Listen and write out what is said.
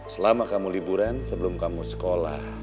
selama kamu liburan sebelum kamu sekolah